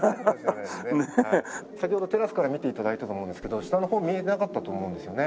先ほどテラスから見て頂いたと思うんですけど下の方見えなかったと思うんですよね。